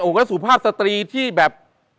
โห้งเราสุภาพสตรีที่แบบ